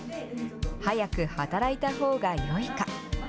早く働いたほうがよいか。